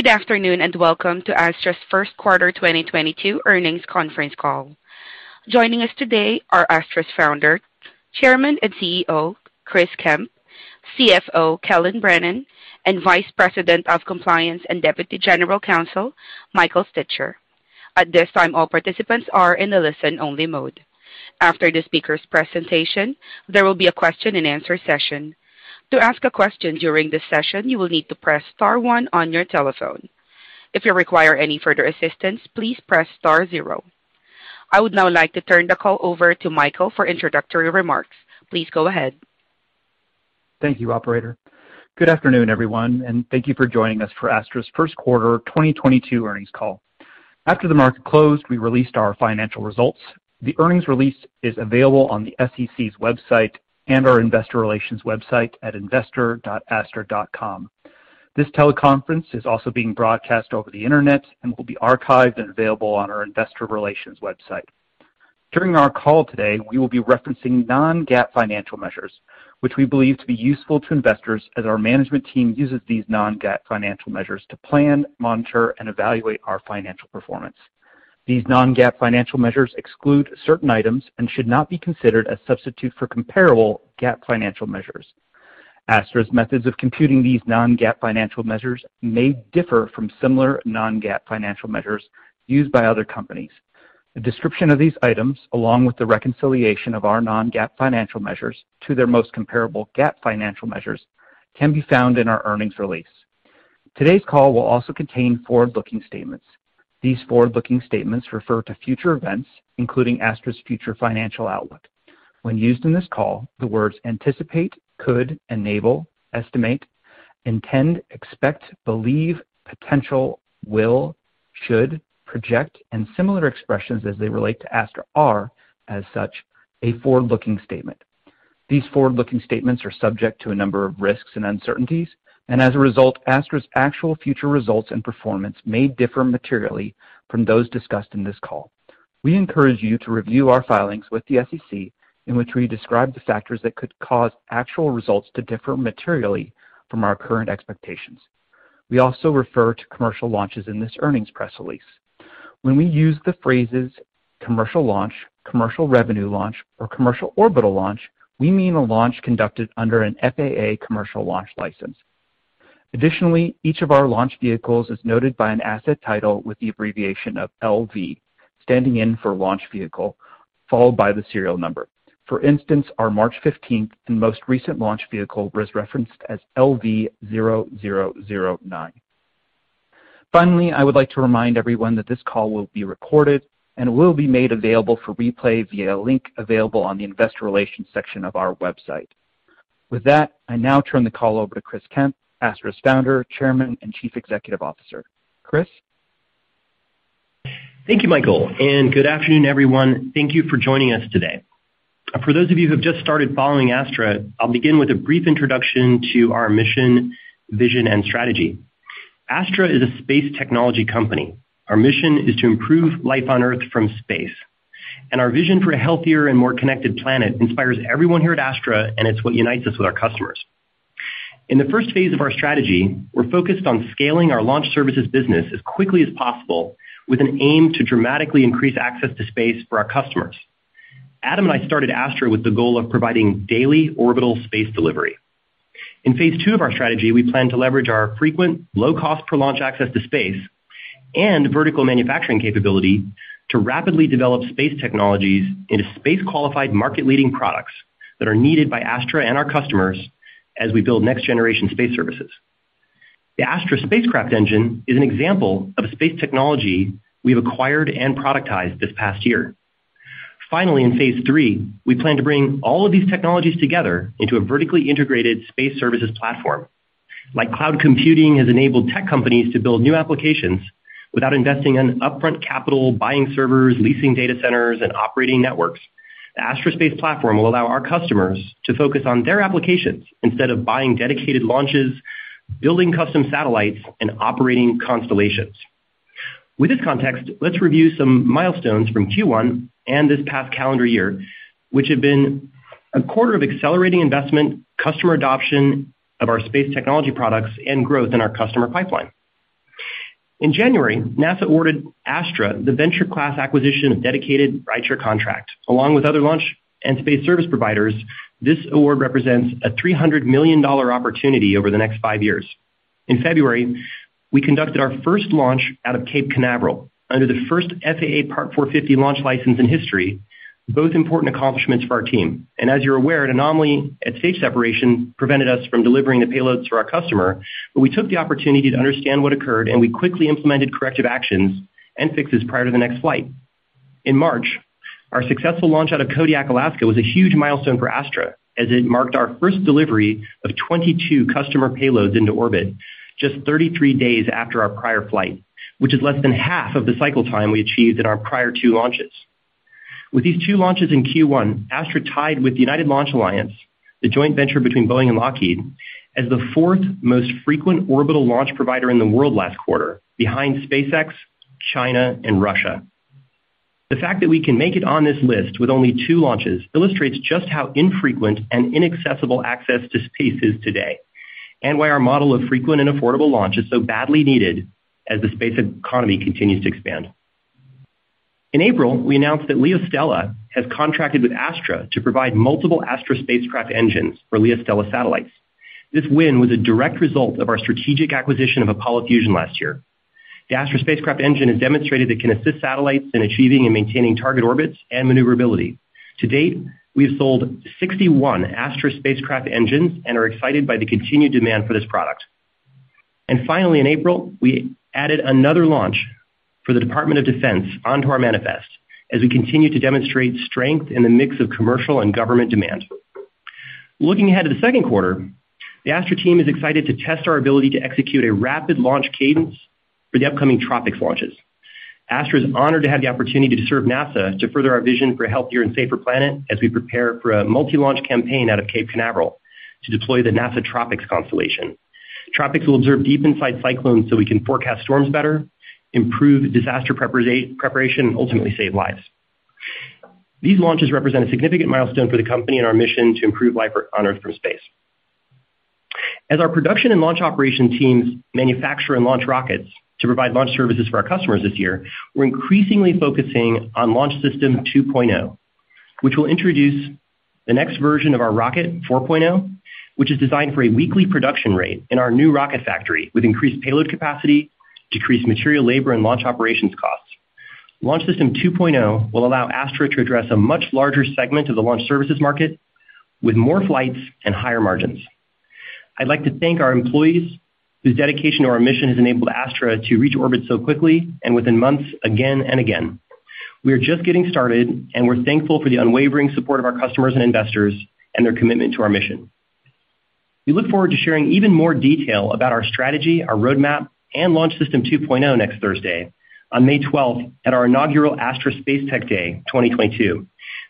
Good afternoon, and welcome to Astra's first quarter 2022 earnings conference call. Joining us today are Astra's Founder, Chairman, and CEO, Chris Kemp, CFO Kelyn Brannon, and Vice President of Compliance and Deputy General Counsel Michael Stitcher. At this time, all participants are in a listen-only mode. After the speaker's presentation, there will be a question-and-answer session. To ask a question during this session, you will need to press star one on your telephone. If you require any further assistance, please press star zero. I would now like to turn the call over to Michael for introductory remarks. Please go ahead. Thank you, operator. Good afternoon, everyone, and thank you for joining us for Astra's first quarter 2022 earnings call. After the market closed, we released our financial results. The earnings release is available on the SEC's website and our investor relations website at investor.astra.com. This teleconference is also being broadcast over the internet and will be archived and available on our investor relations website. During our call today, we will be referencing non-GAAP financial measures which we believe to be useful to investors as our management team uses these non-GAAP financial measures to plan, monitor, and evaluate our financial performance. These non-GAAP financial measures exclude certain items and should not be considered a substitute for comparable GAAP financial measures. Astra's methods of computing these non-GAAP financial measures may differ from similar non-GAAP financial measures used by other companies. A description of these items, along with the reconciliation of our non-GAAP financial measures to their most comparable GAAP financial measures, can be found in our earnings release. Today's call will also contain forward-looking statements. These forward-looking statements refer to future events, including Astra's future financial outlook. When used in this call, the words anticipate, could, enable, estimate, intend, expect, believe, potential, will, should, project, and similar expressions as they relate to Astra are, as such, a forward-looking statement. These forward-looking statements are subject to a number of risks and uncertainties, and as a result, Astra's actual future results and performance may differ materially from those discussed in this call. We encourage you to review our filings with the SEC in which we describe the factors that could cause actual results to differ materially from our current expectations. We also refer to commercial launches in this earnings press release. When we use the phrases commercial launch, commercial revenue launch, or commercial orbital launch, we mean a launch conducted under an FAA commercial launch license. Additionally, each of our launch vehicles is noted by an asset title with the abbreviation of LV standing in for launch vehicle, followed by the serial number. For instance, our March 15th and most recent launch vehicle was referenced as LV0009. Finally, I would like to remind everyone that this call will be recorded and will be made available for replay via a link available on the investor relations section of our website. With that, I now turn the call over to Chris Kemp, Astra's Founder, Chairman, and Chief Executive Officer. Chris? Thank you, Michael, and good afternoon, everyone. Thank you for joining us today. For those of you who have just started following Astra, I'll begin with a brief introduction to our mission, vision, and strategy. Astra is a space technology company. Our mission is to improve life on Earth from space, and our vision for a healthier and more connected planet inspires everyone here at Astra, and it's what unites us with our customers. In the first phase of our strategy, we're focused on scaling our launch services business as quickly as possible with an aim to dramatically increase access to space for our customers. Adam and I started Astra with the goal of providing daily orbital space delivery. In Phase 2 of our strategy, we plan to leverage our frequent low cost per launch access to space and vertical manufacturing capability to rapidly develop space technologies into space-qualified market-leading products that are needed by Astra and our customers as we build next generation space services. The Astra Spacecraft Engine is an example of a space technology we've acquired and productized this past year. Finally, in Phase 3, we plan to bring all of these technologies together into a vertically integrated space services platform. Like cloud computing has enabled tech companies to build new applications without investing in upfront capital, buying servers, leasing data centers, and operating networks. The Astra Space platform will allow our customers to focus on their applications instead of buying dedicated launches, building custom satellites, and operating constellations. With this context, let's review some milestones from Q1 and this past calendar year, which have been a quarter of accelerating investment, customer adoption of our space technology products, and growth in our customer pipeline. In January, NASA awarded Astra the Venture-Class Acquisition of Dedicated and Rideshare contract. Along with other launch and space service providers, this award represents a $300 million opportunity over the next 5 years. In February, we conducted our first launch out of Cape Canaveral under the first FAA Part 450 launch license in history, both important accomplishments for our team. As you're aware, an anomaly at stage separation prevented us from delivering the payloads to our customer, but we took the opportunity to understand what occurred, and we quickly implemented corrective actions and fixes prior to the next flight. In March, our successful launch out of Kodiak, Alaska, was a huge milestone for Astra as it marked our first delivery of 22 customer payloads into orbit just 33 days after our prior flight, which is less than half of the cycle time we achieved in our prior two launches. With these two launches in Q1, Astra tied with United Launch Alliance, the joint venture between Boeing and Lockheed, as the fourth most frequent orbital launch provider in the world last quarter behind SpaceX, China, and Russia. The fact that we can make it on this list with only two launches illustrates just how infrequent and inaccessible access to space is today, and why our model of frequent and affordable launch is so badly needed as the space economy continues to expand. In April, we announced that LeoStella has contracted with Astra to provide multiple Astra Spacecraft Engines for LeoStella satellites. This win was a direct result of our strategic acquisition of Apollo Fusion last year. The Astra Spacecraft Engine has demonstrated it can assist satellites in achieving and maintaining target orbits and maneuverability. To date, we've sold 61 Astra Spacecraft Engines and are excited by the continued demand for this product. Finally, in April, we added another launch for the Department of Defense onto our manifest as we continue to demonstrate strength in the mix of commercial and government demand. Looking ahead to the second quarter, the Astra team is excited to test our ability to execute a rapid launch cadence for the upcoming TROPICS launches. Astra is honored to have the opportunity to serve NASA to further our vision for a healthier and safer planet as we prepare for a multi-launch campaign out of Cape Canaveral to deploy the NASA TROPICS constellation. TROPICS will observe deep inside cyclones so we can forecast storms better, improve disaster preparation, and ultimately save lives. These launches represent a significant milestone for the company and our mission to improve life on Earth from space. Our production and launch operation teams manufacture and launch rockets to provide launch services for our customers this year. We're increasingly focusing on Launch System 2.0, which will introduce the next version of our rocket, Rocket 4.0, which is designed for a weekly production rate in our new rocket factory with increased payload capacity, decreased material labor, and launch operations costs. Launch System 2.0 will allow Astra to address a much larger segment of the launch services market with more flights and higher margins. I'd like to thank our employees whose dedication to our mission has enabled Astra to reach orbit so quickly and within months, again and again. We are just getting started, and we're thankful for the unwavering support of our customers and investors and their commitment to our mission. We look forward to sharing even more detail about our strategy, our roadmap, and Launch System 2.0 next Thursday on May 12th at our inaugural Astra Spacetech Day 2022.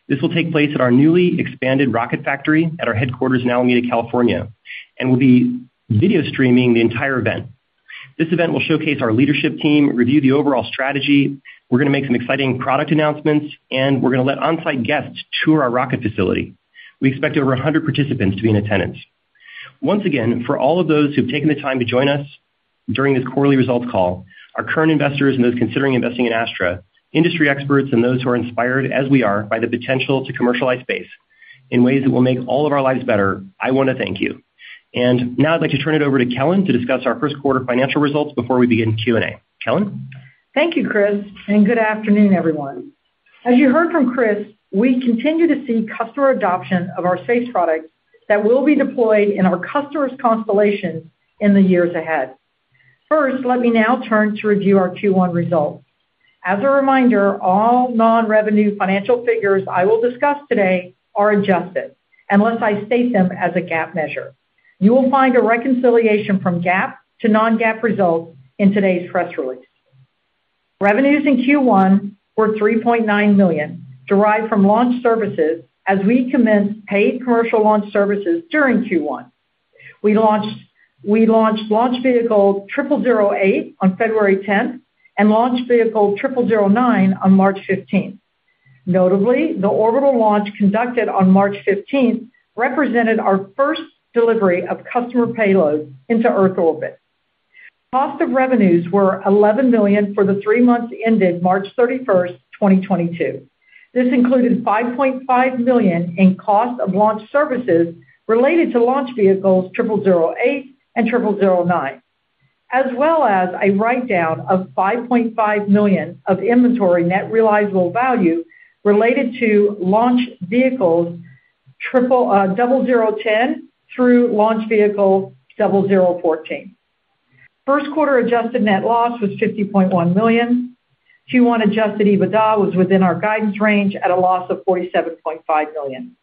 This will take place at our newly expanded rocket factory at our headquarters in Alameda, California, and we'll be video streaming the entire event. This event will showcase our leadership team, review the overall strategy. We're gonna make some exciting product announcements, and we're gonna let on-site guests tour our rocket facility. We expect over 100 participants to be in attendance. Once again, for all of those who've taken the time to join us during this quarterly results call, our current investors and those considering investing in Astra, industry experts, and those who are inspired as we are by the potential to commercialize space in ways that will make all of our lives better, I wanna thank you. Now I'd like to turn it over to Kelyn to discuss our first quarter financial results before we begin Q&A. Kelyn? Thank you, Chris, and good afternoon, everyone. As you heard from Chris, we continue to see customer adoption of our space products that will be deployed in our customers' constellations in the years ahead. First, let me now turn to review our Q1 results. As a reminder, all non-GAAP financial figures I will discuss today are adjusted, unless I state them as a GAAP measure. You will find a reconciliation from GAAP to non-GAAP results in today's press release. Revenues in Q1 were $3.9 million, derived from launch services as we commenced paid commercial launch services during Q1. We launched launch vehicle triple zero eight on February 10th and launch vehicle triple zero nine on March 15th. Notably, the orbital launch conducted on March 15th represented our first delivery of customer payloads into Earth orbit. Cost of revenues were $11 million for the three months ended March 31st, 2022. This included $5.5 million in cost of launch services related to launch vehicles triple zero eight and triple zero nine, as well as a write-down of $5.5 million of inventory net realizable value related to launch vehicles double zero ten through launch vehicle double zero fourteen. First quarter adjusted net loss was $50.1 million. Q1 adjusted EBITDA was within our guidance range at a loss of $47.5 million.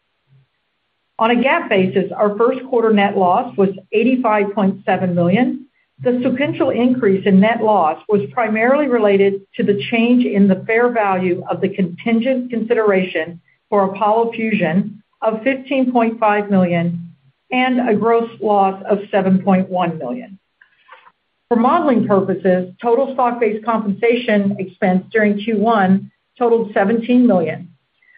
On a GAAP basis, our first quarter net loss was $85.7 million. The sequential increase in net loss was primarily related to the change in the fair value of the contingent consideration for Apollo Fusion of $15.5 million and a gross loss of $7.1 million. For modeling purposes, total stock-based compensation expense during Q1 totaled $17 million.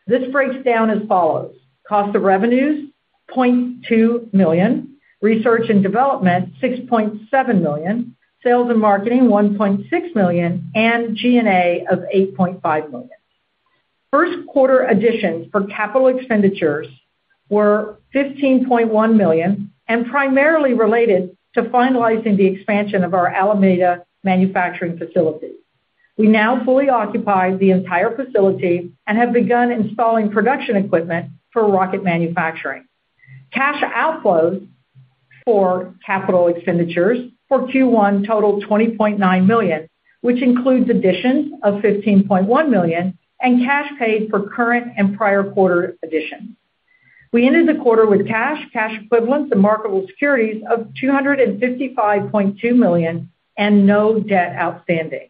This breaks down as follows, cost of revenues, $0.2 million, research and development, $6.7 million, sales and marketing, $1.6 million, and G&A of $8.5 million. First quarter additions for capital expenditures were $15.1 million and primarily related to finalizing the expansion of our Alameda manufacturing facility. We now fully occupy the entire facility and have begun installing production equipment for rocket manufacturing. Cash outflows for capital expenditures for Q1 totaled $20.9 million, which includes additions of $15.1 million and cash paid for current and prior quarter additions. We ended the quarter with cash equivalents, and marketable securities of $255.2 million and no debt outstanding.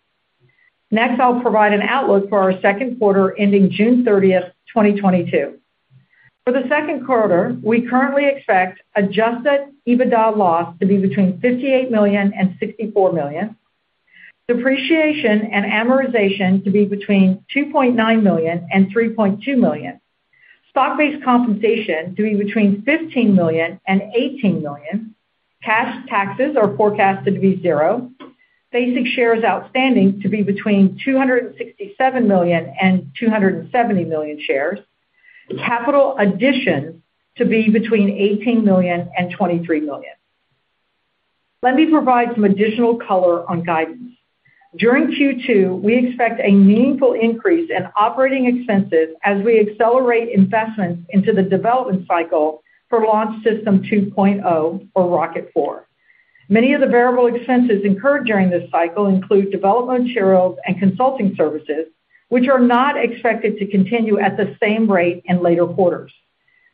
Next, I'll provide an outlook for our second quarter ending June 30th, 2022. For the second quarter, we currently expect adjusted EBITDA loss to be between $58 million and $64 million. Depreciation and amortization to be between $2.9 million and $3.2 million. Stock-based compensation to be between $15 million and $18 million. Cash taxes are forecasted to be zero. Basic shares outstanding to be between 267 million and 270 million shares. Capital additions to be between $18 million and $23 million. Let me provide some additional color on guidance. During Q2, we expect a meaningful increase in operating expenses as we accelerate investments into the development cycle for Launch System 2.0 or Rocket 4. Many of the variable expenses incurred during this cycle include development materials and consulting services, which are not expected to continue at the same rate in later quarters.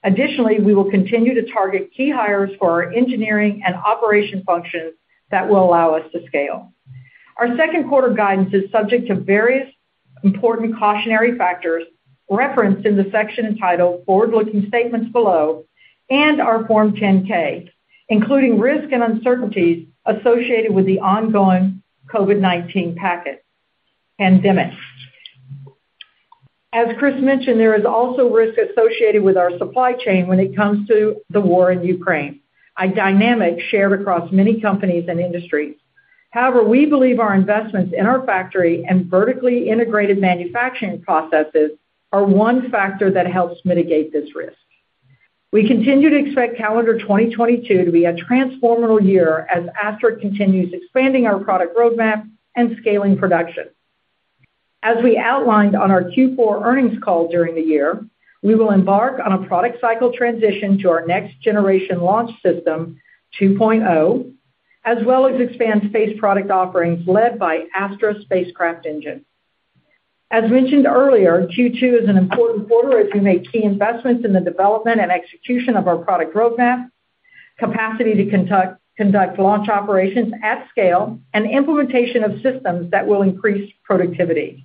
Additionally, we will continue to target key hires for our engineering and operations functions that will allow us to scale. Our second quarter guidance is subject to various important cautionary factors referenced in the section entitled Forward-Looking Statements below and our Form 10-K, including risks and uncertainties associated with the ongoing COVID-19 pandemic. As Chris mentioned, there is also risk associated with our supply chain when it comes to the war in Ukraine, a dynamic shared across many companies and industries. However, we believe our investments in our factory and vertically integrated manufacturing processes are one factor that helps mitigate this risk. We continue to expect calendar 2022 to be a transformative year as Astra continues expanding our product roadmap and scaling production. As we outlined on our Q4 earnings call during the year, we will embark on a product cycle transition to our next generation Launch System 2.0, as well as expand space product offerings led by Astra Spacecraft Engine. As mentioned earlier, Q2 is an important quarter as we make key investments in the development and execution of our product roadmap, capacity to conduct launch operations at scale, and implementation of systems that will increase productivity.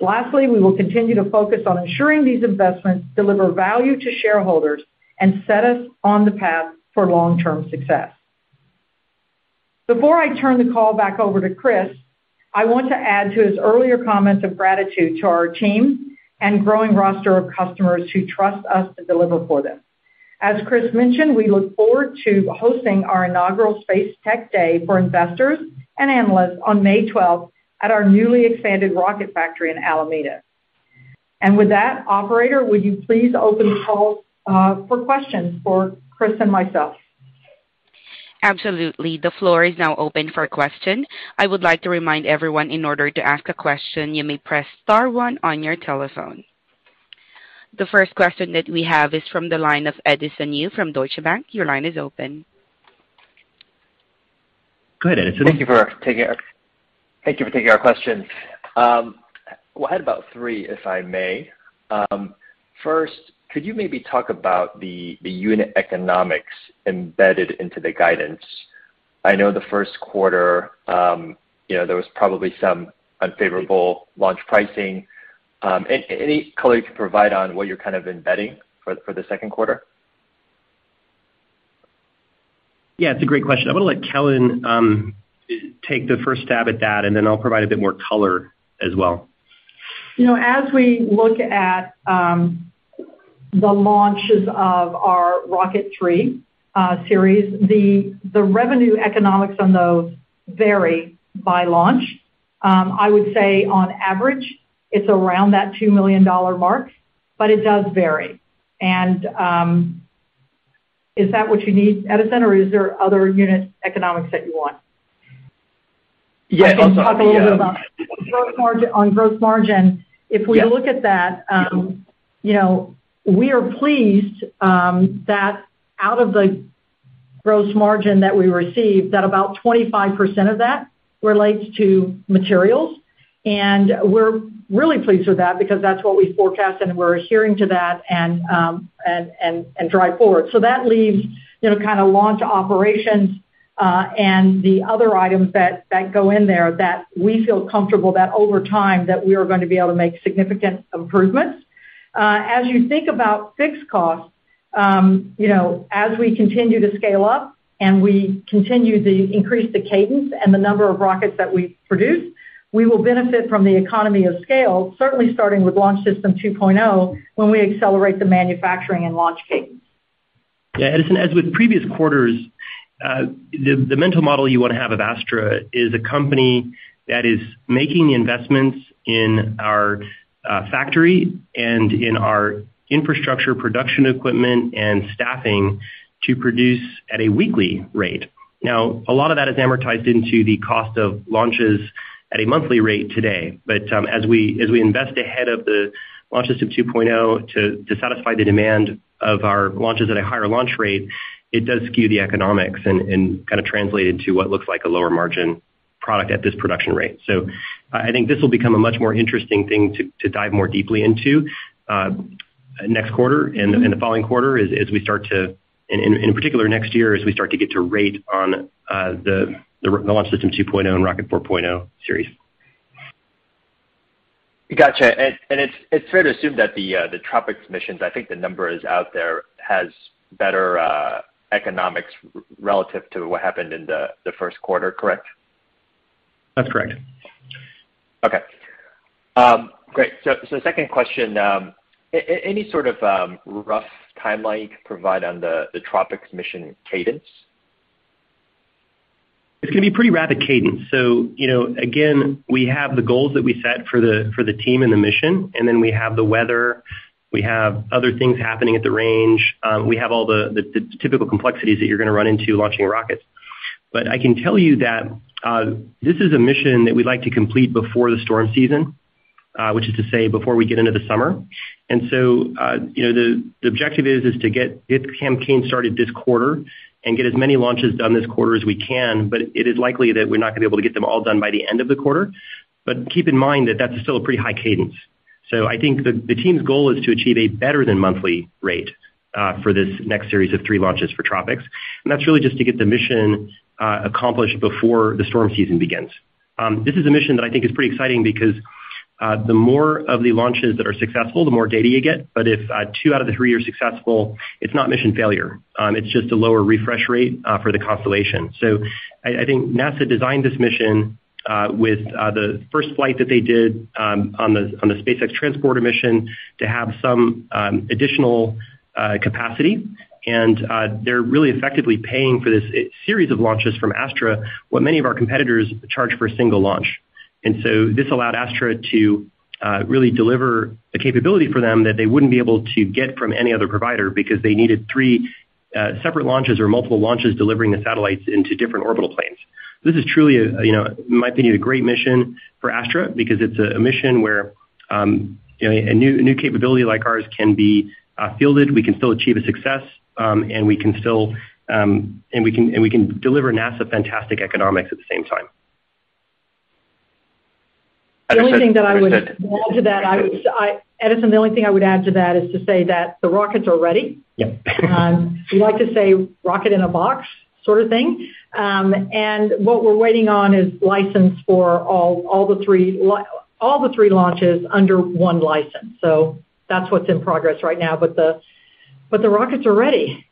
Lastly, we will continue to focus on ensuring these investments deliver value to shareholders and set us on the path for long-term success. Before I turn the call back over to Chris, I want to add to his earlier comments of gratitude to our team and growing roster of customers who trust us to deliver for them. As Chris mentioned, we look forward to hosting our inaugural Spacetech Day for investors and analysts on May 12h at our newly expanded rocket factory in Alameda. With that, operator, would you please open the call for questions for Chris and myself? Absolutely. The floor is now open for questions. I would like to remind everyone in order to ask a question, you may press star one on your telephone. The first question that we have is from the line of Edison Yu from Deutsche Bank. Your line is open. Go ahead, Edison. Thank you for taking our question. Well, I had about three, if I may. First, could you maybe talk about the unit economics embedded into the guidance? I know the first quarter, you know, there was probably some unfavorable launch pricing. Any color you could provide on what you're kind of embedding for the second quarter? Yeah, it's a great question. I'm gonna let Kelyn take the first stab at that, and then I'll provide a bit more color as well. You know, as we look at the launches of our Rocket 3 series, the revenue economics on those vary by launch. I would say on average, it's around that $2 million mark, but it does vary. Is that what you need, Edison, or is there other unit economics that you want? Yeah. I can talk a little bit about gross margin. Yeah. If we look at that, you know, we are pleased that out of the growth margin that we received, that about 25% of that relates to materials. We're really pleased with that because that's what we forecast, and we're adhering to that and drive forward. That leaves, you know, kinda launch operations and the other items that go in there that we feel comfortable that over time we are gonna be able to make significant improvements. As you think about fixed costs, you know, as we continue to scale up and we continue to increase the cadence and the number of rockets that we produce, we will benefit from the economy of scale, certainly starting with Launch System 2.0 when we accelerate the manufacturing and launch cadence. Yeah, Edison, as with previous quarters, the mental model you wanna have of Astra is a company that is making investments in our factory and in our infrastructure production equipment and staffing to produce at a weekly rate. Now, a lot of that is amortized into the cost of launches at a monthly rate today. As we invest ahead of the Launch System 2.0 to satisfy the demand of our launches at a higher launch rate, it does skew the economics and kinda translate into what looks like a lower margin product at this production rate. I think this will become a much more interesting thing to dive more deeply into next quarter and the following quarter as we start to. In particular, next year as we start to get to rate on the Launch System 2.0 and Rocket 4.0 series. Gotcha. It's fair to assume that the TROPICS missions, I think the number is out there, has better economics relative to what happened in the first quarter, correct? That's correct. Okay. Great. Second question, any sort of rough timeline you can provide on the TROPICS mission cadence? It's gonna be pretty rapid cadence. You know, again, we have the goals that we set for the team and the mission, and then we have the weather, we have other things happening at the range, we have all the typical complexities that you're gonna run into launching rockets. I can tell you that this is a mission that we'd like to complete before the storm season, which is to say before we get into the summer. You know, the objective is to get this campaign started this quarter and get as many launches done this quarter as we can, but it is likely that we're not gonna be able to get them all done by the end of the quarter. Keep in mind that that's still a pretty high cadence. I think the team's goal is to achieve a better than monthly rate for this next series of three launches for TROPICS. That's really just to get the mission accomplished before the storm season begins. This is a mission that I think is pretty exciting because the more of the launches that are successful, the more data you get. If two out of the three are successful, it's not mission failure. It's just a lower refresh rate for the constellation. I think NASA designed this mission with the first flight that they did on the SpaceX Transporter mission to have some additional capacity. They're really effectively paying for this series of launches from Astra what many of our competitors charge for a single launch. This allowed Astra to really deliver the capability for them that they wouldn't be able to get from any other provider because they needed three separate launches or multiple launches delivering the satellites into different orbital planes. This is truly a, you know, in my opinion, a great mission for Astra because it's a mission where, you know, a new capability like ours can be fielded, we can still achieve a success, and we can deliver NASA fantastic economics at the same time. The only thing that I would add to that, Edison, is to say that the rockets are ready. Yep. We like to say rocket in a box sort of thing. What we're waiting on is license for all the three launches under one license. That's what's in progress right now. The rockets are ready.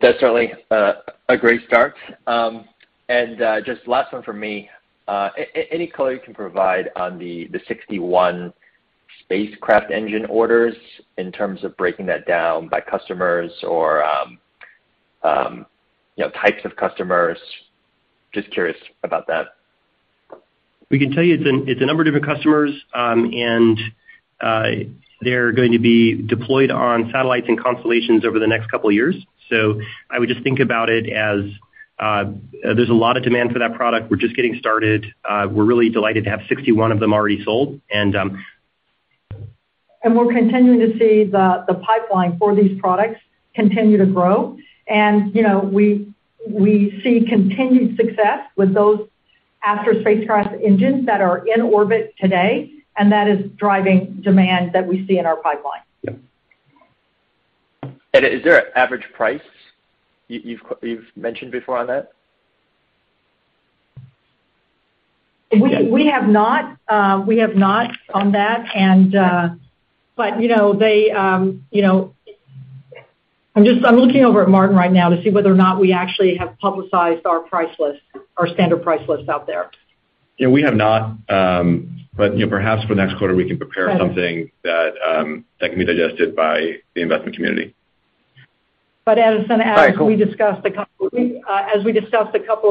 That's certainly a great start. Just last one from me. Any color you can provide on the 61 spacecraft engine orders in terms of breaking that down by customers or, you know, types of customers? Just curious about that. We can tell you it's a number of different customers, and they're going to be deployed on satellites and constellations over the next couple years. I would just think about it as there's a lot of demand for that product. We're just getting started. We're really delighted to have 61 of them already sold. We're continuing to see the pipeline for these products continue to grow. You know, we see continued success with those Astra spacecraft engines that are in orbit today, and that is driving demand that we see in our pipeline. Yeah. Is there an average price you've mentioned before on that? We have not on that. You know, they, you know. I'm just looking over at Martin right now to see whether or not we actually have publicized our price list, our standard price list out there. Yeah, we have not. You know, perhaps for the next quarter, we can prepare something. Right. That can be digested by the investment community. Edison, as we discussed a couple of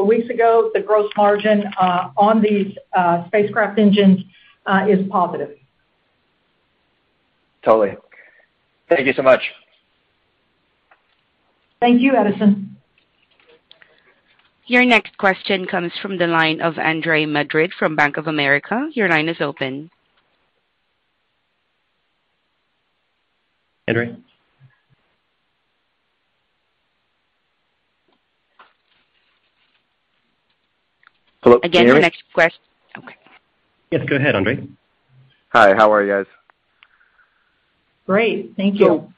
weeks ago, the gross margin on these spacecraft engines is positive. Totally. Thank you so much. Thank you, Edison. Your next question comes from the line of Andre Madrid from Bank of America. Your line is open. Andre? Again, your next question. Hello, can you hear me? Okay. Yes, go ahead, Andre. Hi, how are you guys? Great. Thank you.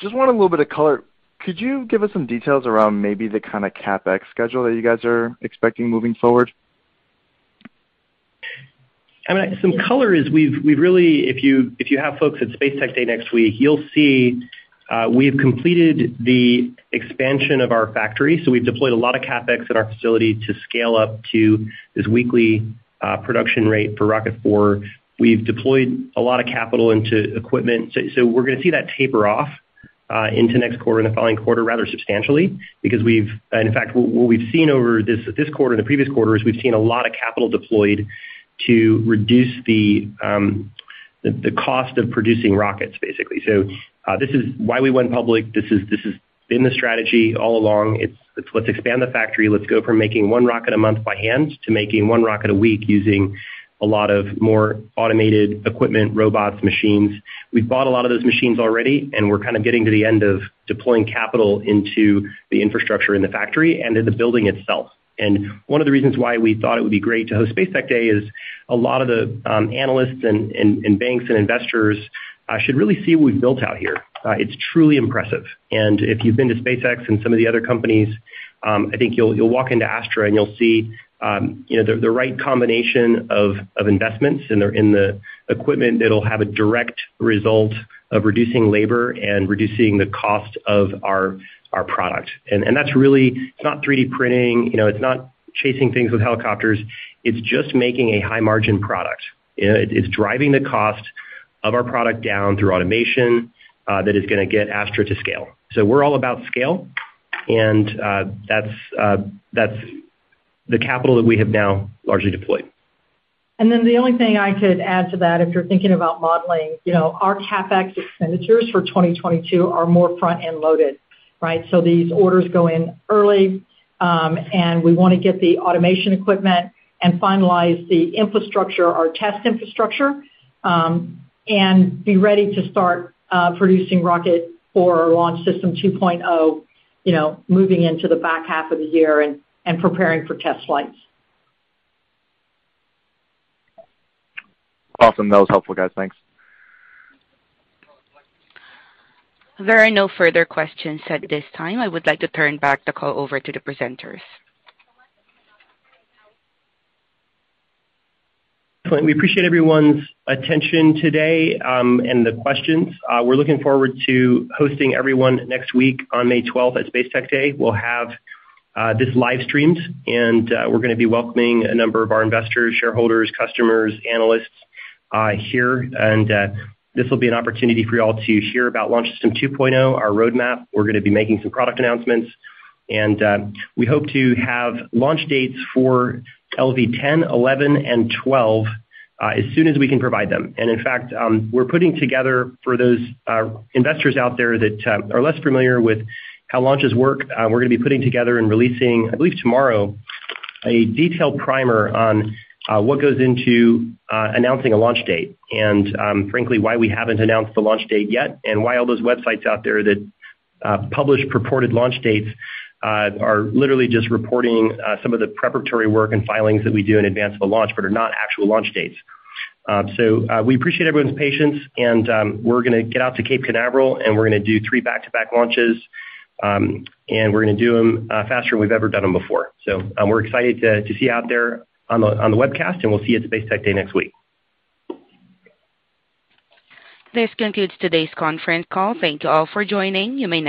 Just want a little bit of color. Could you give us some details around maybe the kinda CapEx schedule that you guys are expecting moving forward? I mean, some color as we've really. If you have folks at Spacetech Day next week, you'll see we've completed the expansion of our factory. We've deployed a lot of CapEx at our facility to scale up to this weekly production rate for Rocket 4. We've deployed a lot of capital into equipment. We're gonna see that taper off into next quarter and the following quarter rather substantially. In fact, what we've seen over this quarter and the previous quarter is we've seen a lot of capital deployed to reduce the cost of producing rockets, basically. This is why we went public. This has been the strategy all along. Let's expand the factory. Let's go from making one rocket a month by hand to making one rocket a week using a lot more automated equipment, robots, machines. We've bought a lot of those machines already, and we're kind of getting to the end of deploying capital into the infrastructure in the factory and in the building itself. One of the reasons why we thought it would be great to host Spacetech Day is a lot of the analysts and banks and investors should really see what we've built out here. It's truly impressive. If you've been to SpaceX and some of the other companies, I think you'll walk into Astra and you'll see the right combination of investments in the equipment that'll have a direct result of reducing labor and reducing the cost of our product. That's really it. It's not 3D printing, you know, it's not chasing things with helicopters. It's just making a high-margin product. It's driving the cost of our product down through automation that is gonna get Astra to scale. We're all about scale, and that's the capital that we have now largely deployed. The only thing I could add to that, if you're thinking about modeling, you know, our CapEx expenditures for 2022 are more front-end loaded, right? So these orders go in early, and we wanna get the automation equipment and finalize the infrastructure, our test infrastructure, and be ready to start producing rocket for our Launch System 2.0, you know, moving into the back half of the year and preparing for test flights. Awesome. That was helpful, guys. Thanks. There are no further questions at this time. I would like to turn back the call over to the presenters. We appreciate everyone's attention today, and the questions. We're looking forward to hosting everyone next week on May 12 at Spacetech Day. We'll have this live-streamed, and we're gonna be welcoming a number of our investors, shareholders, customers, analysts here. This will be an opportunity for you all to hear about Launch System 2.0, our roadmap. We're gonna be making some product announcements. We hope to have launch dates for LV0010, 11, and 12 as soon as we can provide them. In fact, we're putting together for those investors out there that are less familiar with how launches work, we're gonna be putting together and releasing, I believe tomorrow, a detailed primer on what goes into announcing a launch date. Frankly, why we haven't announced the launch date yet, and why all those websites out there that publish purported launch dates are literally just reporting some of the preparatory work and filings that we do in advance of a launch but are not actual launch dates. We appreciate everyone's patience, and we're gonna get out to Cape Canaveral, and we're gonna do three back-to-back launches. We're gonna do them faster than we've ever done them before. We're excited to see you out there on the webcast, and we'll see you at Spacetech Day next week. This concludes today's conference call. Thank you all for joining. You may now disconnect.